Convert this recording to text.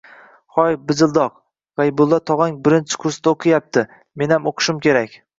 — Hoy bijildoq,G‘aybulla tog‘ong birinchi kursda o‘qiyapti. Menam o‘qishim kerak.